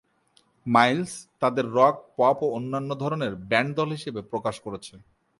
Miles, তাদের rock, pop ও অন্যান্য ধরনের ব্যান্ড দল হিসেবে প্রকাশ করেছে।